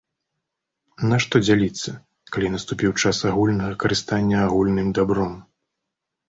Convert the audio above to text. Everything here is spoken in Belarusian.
Нашто дзяліцца, калі наступіў час агульнага карыстання агульным дабром?